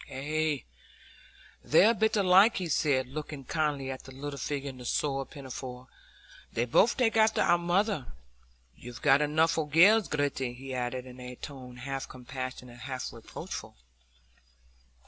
"Ay, they're a bit alike," he said, looking kindly at the little figure in the soiled pinafore. "They both take after our mother. You've got enough o' gells, Gritty," he added, in a tone half compassionate, half reproachful.